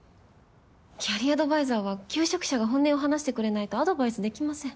キャリアアドバイザーは求職者が本音を話してくれないとアドバイスできません。